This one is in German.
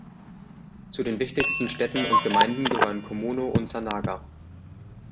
Zu den wichtigsten Städten und Gemeinden gehören Komono und Zanaga.